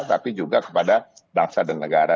tapi juga kepada bangsa dan negara